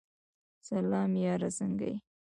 سلام یاره سنګه یی ؟